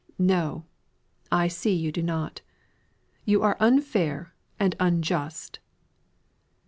"No, I see you do not. You are unfair and unjust."